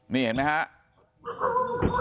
เห็นมั้ยครับ